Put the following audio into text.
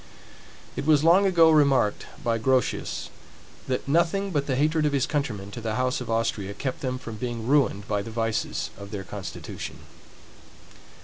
It was long ago remarked by Grotius, that nothing but the hatred of his countrymen to the house of Austria kept them from being ruined by the vices of their constitution.